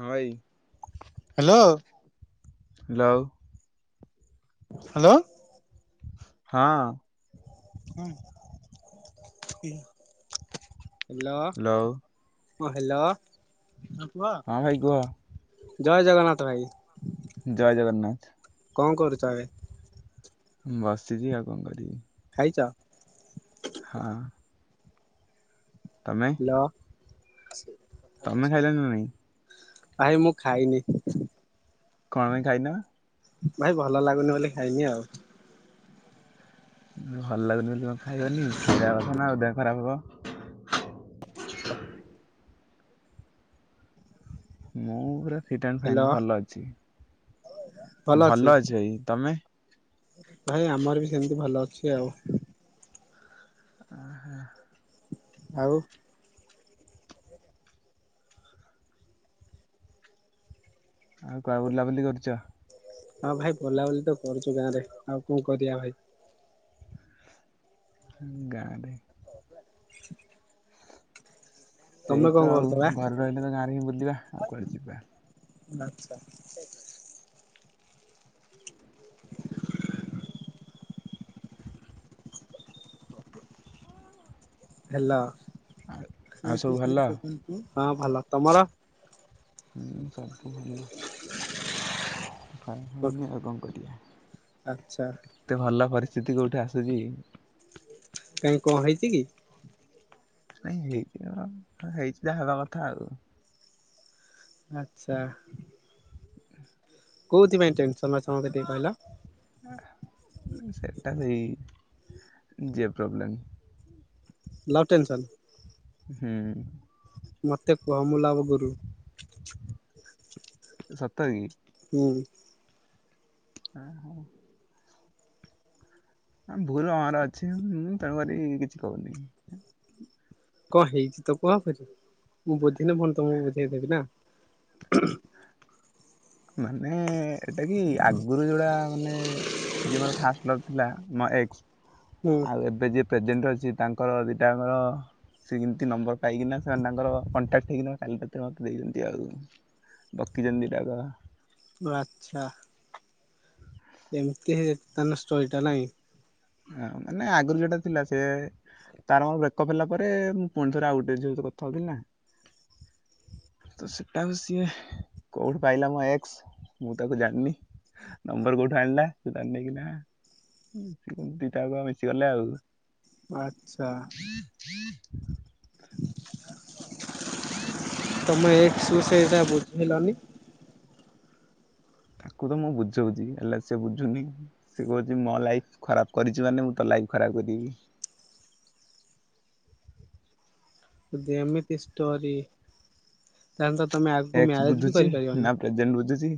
ହଁ ଭାଇ hello hello hello ହଁ ହାଲୋ। ହ୍ୟାଲୋ ହଁ, ହଁ ଭାଇ କୁହ ହେଲୋ। ଜୟ ଜଗନ୍ନାଥ ଭାଇ। ଜୟ ଜଗନ୍ନାଥ। କଣ କରୁଚ ଏବେ? ବସିଚି ଆଉ କଣ କରିବି? ଖାଇଚ? ହଁ। ତମେ? ହ୍ୟାଲୋ। ତମେ ଖାଇଲଣି ନା ନାଇଁ? ଭାଇ ମୁଁ ଖାଇନି। କଣ ପାଇଁ ଖାଇନ? ଭାଇ ଭଲ ଲାଗୁନି ବୋଲି ଖାଇନି ଆଉ। ଭଲ୍ ଲାଗୁନି ବୋଲି କଣ ଖାଇବନି, ଖାଇବା କଥା ନା ଆଉ ଦେହ ଖରାପ୍ ହବ। ମୁଁ ପୁରା ଫିଟ ଆନ୍ ହ୍ୟାଲୋ। ଫାଇନ୍ ଭଲ ଅଛି, ଭଲ ଅଛି ଭାଇ ତମେ? ଭାଇ ଆମର ବି ସେମ୍ତି ଭଲ ଅଛି ଆଉ। ଓହୋ। ଆଉ ଆଉ କୁଆଡେ ବୁଲାବୁଲି କରୁଚ? ହଁ ଭାଇ ବୋଲାବୁଲି ତ କରୁଚୁ ଗାଁ ରେ ଆଉ କଣ କରିଆ ଭାଇ। ଗାଁ ରେ [unintelligible] ସେଇ ତମେ କଣ ତ ଆଉ, କରୁଛ ବା ଘରେ ରହିଲେ ତ ଗାଁରେ ହିଁ ବୁଲିବା ଆଉ କୁଆଡେ ଯିବା। ଆଚ୍ଛା। [unintelligible] ହେଲୋ। ଆ ଆଉ ସବୁ ଭଲ? ହଁ ଭଲ, ତମର? ହୁଁ ସବୁ ଭଲ। ଟାଇମ୍ ହଉନି ଆଉ କଣ କରିଆ। ଆଚ୍ଛା ଏତେ ଭଲ ପରିସ୍ଥିତି କୋଉଠି ଆସୁଚି। କାଇଁ କଣ ହେଇଚି କି? ନାଇଁ ହେଇଚି କଣ ହେଇଚି ଯାହା ହବା କଥା ଆଉ। ଆଚ୍ଛା। କୋଉଥିପାଇଁ ଟେନସନ୍ ଅଛ ମତେ ଟିକେ କହିଲ। ସେଇଟା ସେଇ ଝିଅ ପ୍ରୋବ୍ଲେମ୍। Love tension? ହୁଁ। ମତେ କୁହ ମୁଁ ଲଭ୍ ଗୁରୁ। ସତରେ କି? ହୁଁ। [inaudible] ଭୁଲ୍ ମୋର ଅଛି, ମୁଁ ତେଣୁକରି କିଛି କହୁନି। କଣ ହେଇଚି ତ କୁହ, ମୁଁ ବୁଝିନେ ଫୁଣି ତମୁକୁ ବୁଝେଇଦେବି ନା। ମାନେ ଏଟା କି ଆଗରୁ ଯୋଉଡା ମାନେ ଯିଏ ମୋର ଫାଷ୍ଟ ଲଭ୍ ଥିଲା ମୋ ଏକ୍ସ। ହୁଁ। ଆଉ ଏବେ ଯିଏ ପ୍ରେଜେଣ୍ଟ ଅଛି ତାଙ୍କର ଦିଟା ଙ୍କର ସିଏ କେମିତି ନମ୍ବର ପାଇକିନା ସେମାନେ ତାଙ୍କର କଣ୍ଟାକ୍ଟ ହେଇକିନା କାଲି ରାତିରେ ମତେ ଦେଇଚନ୍ତି ଆଉ। ବକିଚନ୍ତି ଦିଟାଯାକ। ଓ ଆଚ୍ଛା ଏମତି ହି ତାନେ ଷ୍ଟୋରି ଟା ନାଇଁ। ହଁ ମାନେ ଆଗରୁ ଯୋଉଟା ଥିଲା ସେ ତାର ମୋର ବ୍ରେକଅପ୍ ହେଲା ପରେ ମୁଁ ପୁଣି ଥରେ ଆଉ ଗୋଟେ ଝିଅ ସହିତ କଥା ହଉଥିଲି ନା। ତ ସେଟା ଆଉ ସିଏ କୋଉଠୁ ପାଇଲା ମୋ ଏକ୍ସ ମୁଁ ତାକୁ ଜାଣିନି। ନମ୍ବର କୋଉଠୁ ଆଣିଲା ସିଏ ତାର ନେଇକିନା ଉଁ ଉଁ ଦିଟାଯାକ ମିଶି ଗଲେ ଆଉ। ଆଚ୍ଛା। ଦଇ ଦଇ [unintelligible] ହ ହ [unintelligible] ତମ ଏକ୍ସ କୁ ସେଇଟା ବୁଝେଇଲନି। ତାକୁ ତ ମୁଁ ବୁଝଉଚି ହେଲେ ସେ ବୁଝୁନି। ସେ କହୁଚି ମୋ ଲାଇଫ୍‌ ଖରାପ କରିଚୁ ମାନେ ମୁଁ ତୋ ଲାଇଫ୍ ଖରାପ କରିବି। ଯଦି ଏମିତି ଷ୍ଟୋରି ତାହେଲେ ତ ତମେ ଆଗୁକୁ ଏକ୍ସ ମ୍ୟାରେଜ ବି ବୁଝୁଛି ନା କରିପାରିବନି। ପ୍ରେଜେଣ୍ଟ ବୁଝୁଚି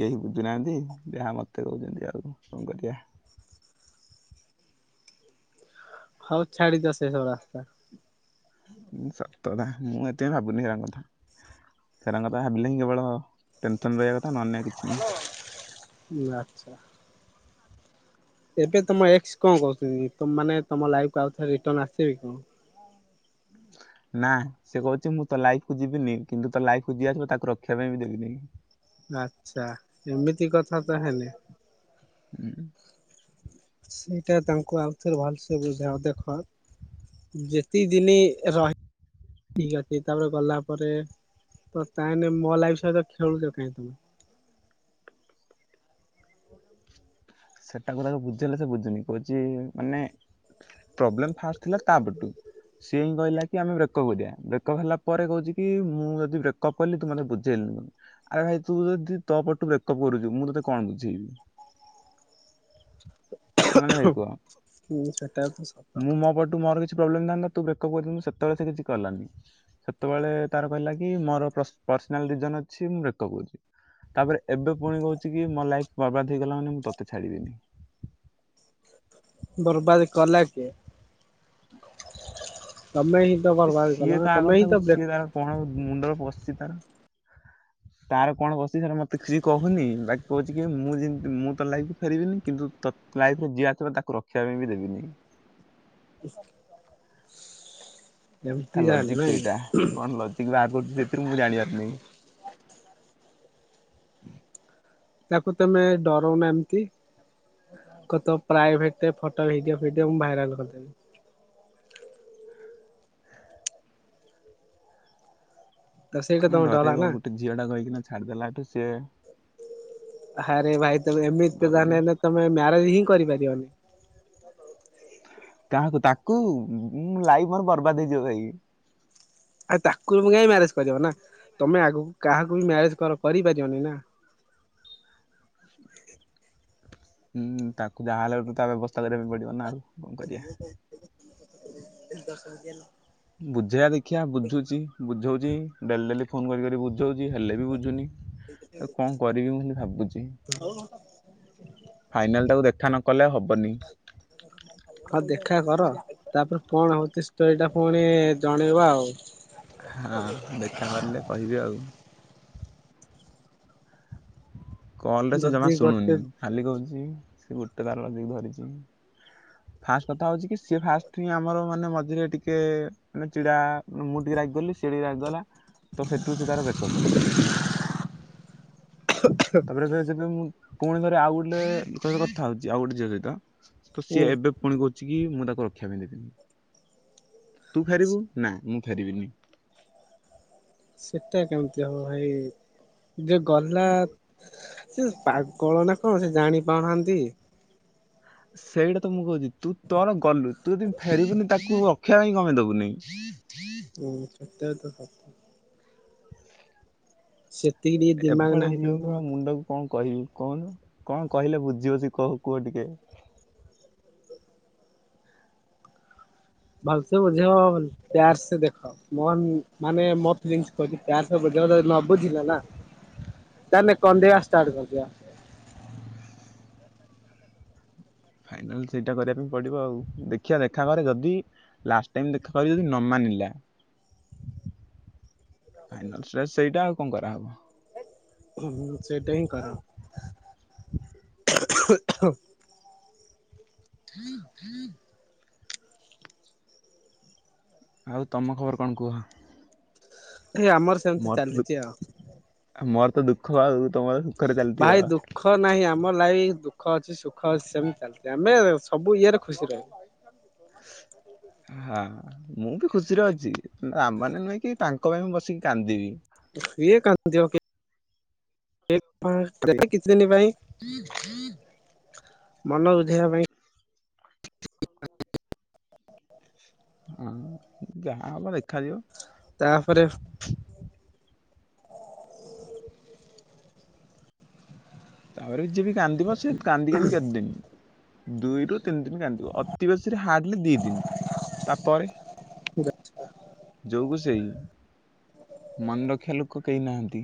କେହି ବୁଝୁନାହାନ୍ତି ଯାହା ମତେ କହୁଚନ୍ତି ଆଉ କଣ କରିଆ। ହଉ ଛାଡି ଦିଅ ସେ ସବୁ ରାସ୍ତା। ଉଁ ସତ କଥା ମୁଁ ଏତେ ଭାବୁନି ସେରାଙ୍କ କଥା। ସେରାଙ୍କ କଥା ଭାବିଲେ ହିଁ କେବଳ ଟେନ୍‌ସନ୍‌ ରହିଆ କଥା ନହେଲେ ନାଇଁ କିଛି ନାହିଁ। ହୁଁ ଆଚ୍ଛା। ଏବେ ତମ ଏକ୍ସ କଣ କହୁଚନ୍ତି ତମ୍ ମାନେ ତମ ଲାଇଫ୍ କୁ ଆଉ ଥରେ ରିଟର୍ନ ଆସିବେ କଣ? ନା ସେ କହୁଚି ମୁଁ ତୋ ଲାଇଫ୍ କୁ ଯିବିନି କିନ୍ତୁ ତୋ ଲାଇଫ୍ ଯିଏ ଆସିବ ତାକୁ ରଖିବା ପାଇଁ ବି ଦେବିନାଇ। ଆଚ୍ଛା ଏମିତି କଥା ତାହାଲେ। ହୁଁ। ସେଇଟା ତାଙ୍କୁ ଆଉ ଥରେ ଭଲସେ ବୁଝାଅ ଦେଖ। ଯେତିକି ଦିନି ରହି ଠିକ୍ ଅଛି ତାପରେ ଗଲା ପରେ ତ ତାହେଁନେ ମୋ ଲାଇଫ୍ ସହିତ ଖେଳୁଚ କାଇଁ ତମେ। ସେଟାକୁ ତାକୁ ବୁଝେଇଲେ ସେ ବୁଝୁନି କହୁଚି ମାନେ ପ୍ରୋବ୍ଲେମ ଫାଷ୍ଟ ଥିଲା ତା ପଟୁ। ସିଏ ହିଁ କହିଲା କି ଆମେ ବ୍ରେକଅପ୍ କରିଆ ବ୍ରେକଅପ୍ ହେଲା ପରେ କହୁଚି କି ମୁଁ ଯଦି ବ୍ରେକଅପ୍ କଲି ତୁ ମତେ ବୁଝେଇଲୁନି। ଆରେ ଭାଇ ତୁ ଯଦି ତୋ ପଟୁ ବ୍ରେକଅପ୍ କରୁଚୁ ମୁଁ ତତେ କଣ ବୁଝେଇବି। ହଁ ନା ଭାଇ କୁହ ହୁଁ ସେଟା ତ ସତ ମୁଁ ମୋ ପଟୁ ମୋର କିଛି ପ୍ରୋବ୍ଲେମ୍ ଥାଆନ୍ତା ତୁ ବ୍ରେକଅପ୍ କରିଥାନ୍ତୁ ସେତବେଳେ ସେ କିଛି କଲାନି। ସେତବେଳେ ତାର କହିଲା କି ମୋର ପ୍ରସ-ପର୍ସନାଲ ରିଜନ ଅଛି ମୁଁ ବ୍ରେକଅପ୍ କରୁଛି। ତାପରେ ଏବେ ପୁଣି କହୁଚି କି ମୋ ଲାଇଫ୍ ବର୍ବାଦ ହେଇଗଲା ମାନେ ମୁଁ ତତେ ଛାଡିବିନି। ବର୍ବାଦ କଲା କିଏ? ତମେ ହିଁ ତ ବର୍ବାଦ ସିଏ କଲ ନା ତା ତମେ ହିଁ କଥାକୁ ତ ସିଏ ବ୍ଲେକ୍ ତାର କଣ ମୁଣ୍ଡରେ ପସଚି ତାର। ତାର କଣ ପସିଚୀ ସେଟା ମତେ କିଛି କହୁନି ବାକି କହୁଚି କି ମୁଁ ଯେମତି ମୁଁ ତୋ ଲାଇଫକୁ ଫେରିବିନି କିନ୍ତୁ ତ ଲାଇଫ୍‌ କୁ ଯିଏ ଆସିବ ତାକୁ ରଖିଆ ପାଇଁ ବି ଦେବିନି। ଏମିତି ତା ତାହେଲେ ଲଜିକ୍ ନାଇଁ? ସେଇଟା କଣ ଲଜିକ୍ ବା ଆଗୁରୁ ସେଇଥିରୁ ମୁଁ ଜାଣିପାରୁନାଇ। ତାକୁ ତମେ ଡରଉନା ଏମତି। କ ତୋ ପ୍ରାଇଭେଟେ ଫଟୋ ଭିଡିଓ ଫିଡିଓ ମୁଁ ଭାଇରାଲ୍ କରିଦେଲି। ତ ସେଇଟା କଣ ତମେ ଡଲା ଡରେଇବ ନା ଗୋଟେ ଝିଅ ଟା କହିକିନା ଛାଡି ଦେଲାଠୁ ସିଏ। ହାରେ ଭାଇ ତୁମେ ଏମିତି ଡରୁନି। ତାନେ ହେଲେ ତମେ ମ୍ୟାରେ ହିଁ କରିପାରିବନି। କାହାକୁ ତାକୁ ଲାଇଫି ମୋର ବର୍ବାଦ ହେଇଯିବ ଭାଇ। ଆଉ ତାକୁ କାଇଁ ମ୍ୟାରେଜ କରିବ ନା ତମେ ଆଗକୁ କାହାକୁ ବି ମ୍ୟାରେଜ କର କରିପାରିବନି ନା। ହୁଁ ତାକୁ ଯାହାହଲେ ତା ବ୍ୟବସ୍ଥା କରିବା ପାଇଁ ପଡିବ ନା ଆଉ। କଣ କରିବା। [unintelligible] ଦର୍ଶ [unintelligible] ବୁଝେଇବା ଦେଖିିବା ବୁଝୁଛି ବୁଝଉଛି ଡେଲି ଡେଲି। ଫୋନ କରି କରି ବୁଝଉଚି ହେଲେ ବି ବୁଝୁନି ତାକୁ କଣ କରମି ଭାବୁଚି। [unintelligible] ଫାଇନାଲ ତାକୁ ଦେଖା ନ କଲେ ହବନି। [inaudible] ହଁ ଦେଖା କର ତାପରେ କଣ ହଉଛି ଷ୍ଟୋରି ଟା ପୁଣି ଜଣେଇବ ଆଉ। ହଁ ଦେଖା କରିଲେ କହିବି ଆଉ। କଲ ରେ ସେ ଜମା ଯଦି ଶୁଣୁନି ଗୋଟେ ଖାଲି କହୁଚି ସେ ଗୋଟେ ତାର ଲଗେଇକି ଧରିଛି। ଫାଷ୍ଟ କଥା ହଉଛି କି ସିଏ ଫାଷ୍ଟ ହିଁ ଆମର ମାନେ ମଝିରେ ଟିକେ ମାନେ ଚିଡ଼ା। ମୁଁ ଟିକେ ରାଗି ଗଲି ସିଏ ଟିକେ ରାଗିଗଲା ତ ସେଠୁ ସେ ତାର ବ୍ରେକଅପ୍ କରିଦେଲା। [unintelligible] ତାପରେ ଏ ଯେବେ ମୁ ପୁଣିଥରେ ଆଉ ଗୋଟେ ସହିତ କଥା ହଉଛି ଆଉ ଗୋଟେ ଝିଅ ସହିତ ତ ହୁଁ ସିଏ ଏବେ ପୁଣି କହୁଛି କି ମୁଁ ତାକୁ ରକ୍ଷା ପାଇଁ ଦେବିନି ତୁ ଫେରିବୁ ନା ମୁଁ ଫେରିବିନି। ସେଟା କେମିତି ହବ ଭାଇ ଯେ ଗଲା। ସେ ପାଗଳ ନା କଣ ସେ ଜାଣିପାରୁନାହାନ୍ତି। ସେଇଟା ତ ମୁଁ କହୁଛି ତୁ ତୋର ଗଲୁ ତୁ ଯଦି ଫେରିବୁନି ତାକୁ ରଖିବା ପାଇଁ କମେଇ ଦବୁନି। ହୁଁ ହୁଁ ସେତା ତ। ସେତିକି ଟିକେ ଦିମାଗ ଏଭଳିଆ ନାହିଁ ଝିଅଙ୍କୁ ତାଙ୍କର। ଆଉ ମୁଣ୍ଡକୁ କଣ କହିବି କହୁନ କଣ କହିଲେ ବୁଝିିବ ସିଏ କହୁ କୁହ ଟିକେ। ଭଲସେ ବୁଝେଇବ ଅ ପିଆର ସେ ଦେଖ। ମନ ମାନେ ମୋ [unintelligible] ବୁଝିଲା ନା। ରେ କଦ୍ଧେଆ ଷ୍ଟାର୍ଟ କରିଦିଆ। ଫାଇନାଲ ସେଇଟା କରିବା ପାଇଁ ପଡିବ ଆଉ ଦେଖିବା ଦେଖା କର ଯଦି। ଲାଷ୍ଟ ଟାଇମ ଦେଖା କର ଯଦି ନ ମାନିଲା। ଫାଇନାଲ ସେ ସେଇଟା ଆଉ କଣ କରାହବ। ହୁଁ ସେଇଟା ହିଁ କର। [unintelligible] ଆଉ ତମ ଖବର କଣ କୁହ। ଏ ଆମର ସ। ମଧୁବୁତ ମୋର ତ ଦୁଃଖ ଆଉ ତମର। ସୁଖରେ ଚାଲିଥିବ ଭାଇ ଦୁଃ ଦୁଃଖ ନାହିଁ ଆମ ଲାଇ ଦୁଃଖ ଅଛି ସୁଖ ଅଛି ସେମିତି ଚାଲିଛି ଆମେ ସବୁ ଇଏରେ ଖୁସି ରହିବା। [inaudible] ହଁ ମୁଁ ବି ଖୁସିରେ ଅଛି ରା ମାନେ ନୁହେଁ କି ତାଙ୍କ ପାଇଁ ମୁଁ ବସିକି କାନ୍ଦିବି। ଇଏ [unintelligible] ଦେଖ ପା କିଛି ଦିନି ପାଇଁ। ମନ ବୁଝେଇବା ପାଇଁ। ହଁ, ଯାହା ହବ ଦେଖାଯିବ। ତାପରେ ତାପରେ ଯିଏବି କାନ୍ଦିବ, ସେ କାନ୍ଦି କାନ୍ଦି କେତେଦିନି? ଦୁଇରୁୁ ତିନି ଦିନ କାନ୍ଦିବ, ଅତି ବେଶୀରେ ହାର୍ଡଲି ଦି ଦିନି, ତାପରେ ଯୋଉକୁ ସେଇ, ମନେ ରଖି ଲୋକ କେହି ନାହାନ୍ତି।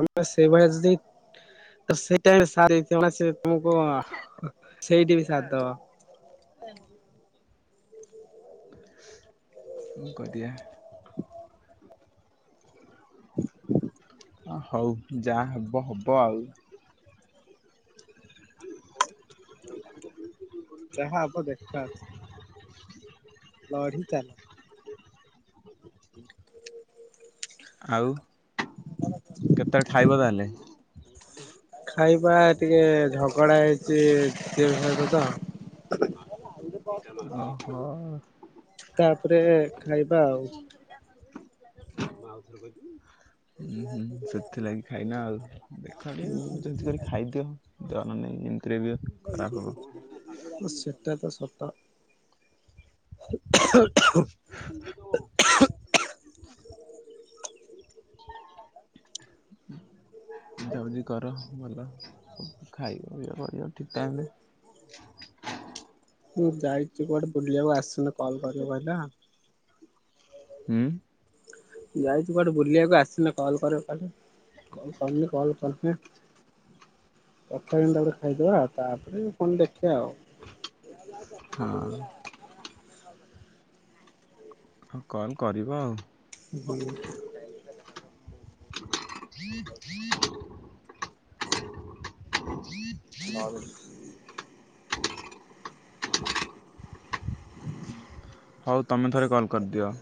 ତମେ ସେଇଭଳିଆ ଯଦି, ତ ସେଇ ଟାଇମ୍ ରେ ସାର [unintelligible] ସେ ତମକୁ ସେଇଠି ବି ସାଥ ଦବ। [unintelligible] ମୁଁ କରିଆ। [unintelligible] ଅ ହଉ, ଯାହା ହବ ହବ ଆଉ [unintelligible] ଯାହା ହବ ଦେଖା ଅଛି। [unintelligible] ଲଢି ଚାଲ [unintelligible] ଆଉ କେତେବେଳେ ଖାଇବ ତାହେଲେ? ଖାଇବା ଟିକେ ଝଗଡା ହେଇଚି, ସ୍ତ୍ରୀଙ୍କ ସହିତ ତ ଓହୋ। ତାପରେ ଖାଇବା ଆଉ [unintelligible] ହୁଁ ହୁଁ, ସେଥିଲାଗି ଖାଇନା ଆଉ, ଦେଖ ଟିକେ ବୁଝାବୁଝି କରି ଖାଇଦିଅ ଦମ୍ ନାହିଁ, ଏମିତିରେ ବି ଖରାପ ହବ [unintelligible] ତ, ସେଟା ତ ସତ [unintelligible] [unintelligible] ବୁଝାବୁଝି କର ଭଲ, ଖାଇବା ପିଇବା କରିବ ଠିକ ଟାଇମରେ [unintelligible] ମୁଁ ଯାଇଚି କୁଆଡେ ବୁଲିବାକୁ, ଆସିନେ କଲ୍ କରିବ କହିଲା। ହୁଁ ଯାଇଛି କୁଆଡ଼େ ବୁଲିବାକୁ, ଆସିଲେ କଲ୍ କରିବ କହିଲା, କଲ୍ କରିନି, କଲ୍ ‌କଲେ ତକ୍ଷଣଟା ଗୋଟେ ଖାଇଦେବା, ତାପରେ ପୁଣି ଦେଖିବା ଆଉ ହଁ ହଁ କଲ୍ କରିବ ଆଉ [unintelligible] [unintelligible] [unintelligible] ହଉ ତମେ ଥରେ କଲ୍ କରିଦିଅ।